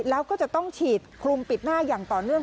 แล้วก็จะต้องฉีดคลุมปิดหน้าอย่างต่อเนื่อง